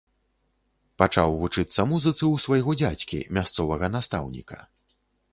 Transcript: Пачаў вучыцца музыцы ў свайго дзядзькі, мясцовага настаўніка.